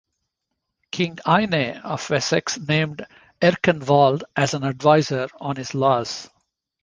King Ine of Wessex named Erkenwald as an advisor on his laws.